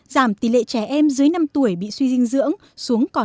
giảm tỷ lệ trẻ em dưới năm tuổi bị suy dinh dưỡng xuống còn hai mươi